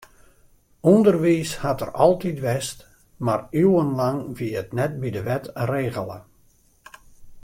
Underwiis hat der altyd west, mar iuwenlang wie it net by de wet regele.